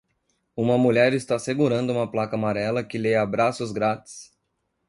Uma mulher está segurando uma placa amarela que lê abraços grátis